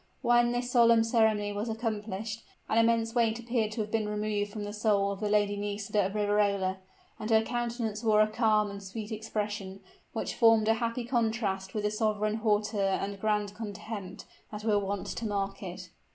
When this solemn ceremony was accomplished, an immense weight appeared to have been removed from the soul of the Lady Nisida of Riverola; and her countenance wore a calm and sweet expression, which formed a happy contrast with the sovereign hauteur and grand contempt that were wont to mark it.